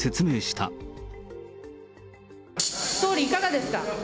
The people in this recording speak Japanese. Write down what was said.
と、総理、いかがですか。